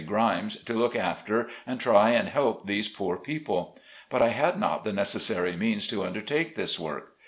Grimes, to look after and try and help these poor people. But I had not the necessary means to undertake this work.